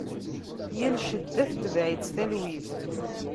Yal cedda tetbeɛ-itt talwit.